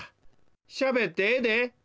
しゃべってええで。